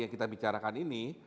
yang kita bicarakan ini